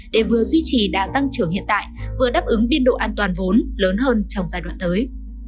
để vừa duy trì đa tăng trưởng hiện tại vừa đáp ứng biên độ an toàn vốn lớn hơn trong giai đoạn tới